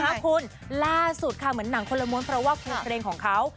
คุณล่าสุดค่ะเหมือนหนังคนละม้วนเพราะว่าเพลงของเขา